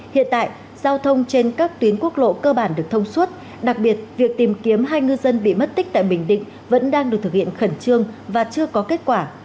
hiện tại giao thông trên các tuyến quốc lộ cơ bản được thông suốt đặc biệt việc tìm kiếm hai ngư dân bị mất tích tại bình định vẫn đang được thực hiện khẩn trương và chưa có kết quả